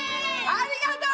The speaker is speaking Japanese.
ありがとう！